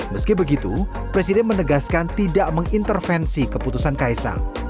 meski begitu presiden menegaskan tidak mengintervensi keputusan kaisang